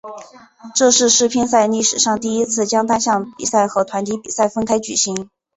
这是世乒赛历史上第一次将单项比赛和团体比赛分开举行。